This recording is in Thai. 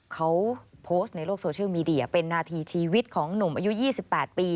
เขาโพสต์ในโลกโซเชียลมีเดียเป็นนาทีชีวิตของหนุ่มอายุ๒๘ปี